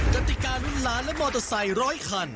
กติการุ่นล้านและมอเตอร์ไซค์ร้อยคัน